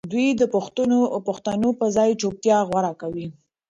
دوی د پوښتنو پر ځای چوپتيا غوره کوي.